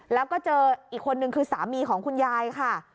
แล้วก็เจออีกคนนึงคือสามีของคุณยายค่ะ